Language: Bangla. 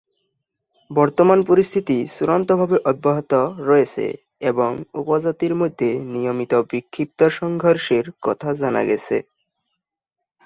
বর্তমান পরিস্থিতি চূড়ান্তভাবে অব্যাহত রয়েছে এবং উপজাতির মধ্যে নিয়মিত বিক্ষিপ্ত সংঘর্ষের কথা জানা গেছে।